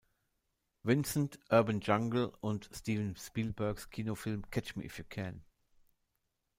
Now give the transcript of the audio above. Vincent", "Urban Jungle" und Steven Spielbergs Kinofilm "Catch Me If You Can".